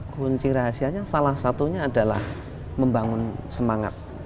kunci rahasianya salah satunya adalah membangun semangat